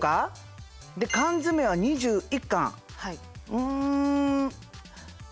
うん。